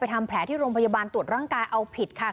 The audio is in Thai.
ทำแผลที่โรงพยาบาลตรวจร่างกายเอาผิดค่ะ